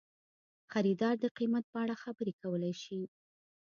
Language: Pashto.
خریدار د قیمت په اړه خبرې کولی شي.